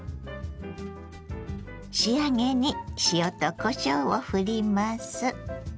仕上げに塩とこしょうをふります。